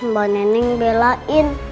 mba neneng belain